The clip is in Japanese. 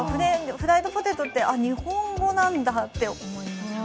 フライドポテトって日本語なんだと思いましたね。